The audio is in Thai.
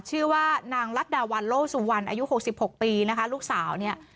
ชื่อว่านางรัฐดาวันโลสุวรรณอายุ๖๖ปีนะคะลูกสาวเนี่ย